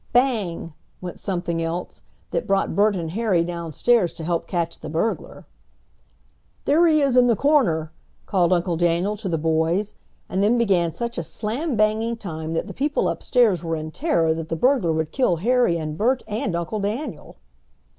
Bang! went something else, that brought Bert and Harry downstairs to help catch the burglar. "There he is in the corner!" called Uncle Daniel to the boys, and then began such a slam banging time that the people upstairs were in terror that the burglar would kill Harry and Bert and Uncle Daniel.